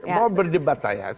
mau berdebat saya